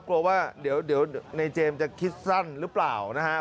กลัวว่าเดี๋ยวในเจมส์จะคิดสั้นหรือเปล่านะครับ